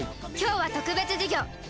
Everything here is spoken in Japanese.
今日は特別授業。